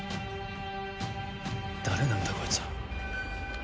誰なんだこいつは。